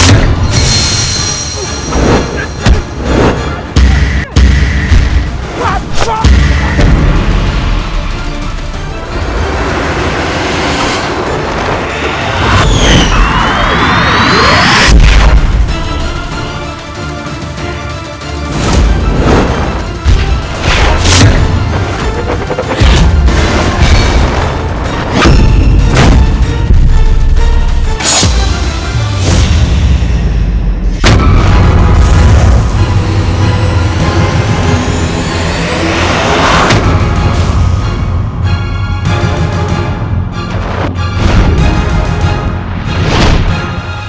itu kan keluar